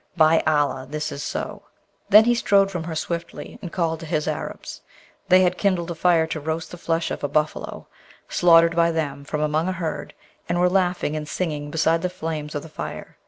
By Allah! this is so.' Then he strode from her swiftly, and called to his Arabs. They had kindled a fire to roast the flesh of a buffalo, slaughtered by them from among a herd, and were laughing and singing beside the flames of the fire.